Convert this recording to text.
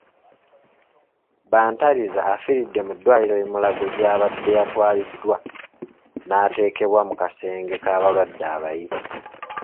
Bantariza afiridde mu ddwaliro e Mulago gy'abadde yatwaliddwa naateekebwa mu kasenge k'abalwadde abayi.